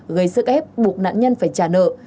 gây sức ép buộc nạn nhân phải trả nợ